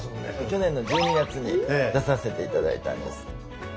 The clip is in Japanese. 去年の１２月に出させて頂いたんです。